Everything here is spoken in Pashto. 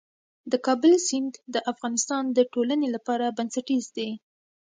د کابل سیند د افغانستان د ټولنې لپاره بنسټيز دی.